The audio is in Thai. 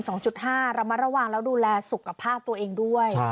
ก็จะมาระมัดระหว่างแล้วดูแลสุขภาพตัวเองด้วย